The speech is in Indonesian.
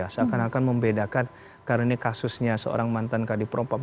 seakan akan membedakan karena kasusnya seorang mantan tadi dilaporkan